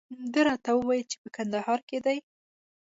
ده راته وویل چې په کندهار کې دی.